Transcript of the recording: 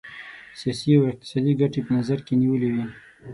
سیاسي او اقتصادي ګټي په نظر کې نیولي وې.